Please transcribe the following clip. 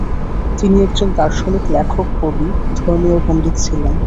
তিনি একজন দার্শনিক, লেখক, কবি, ধর্মীয় পণ্ডিত ছিলেন।